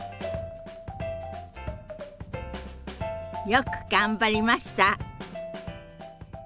よく頑張りました。